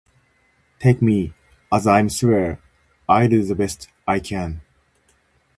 Take me as I am swear I'll do the best I can